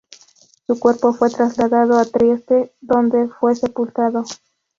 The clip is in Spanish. Su cuerpo fue trasladado a Trieste, donde fue sepultado.